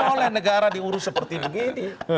boleh negara diurus seperti begini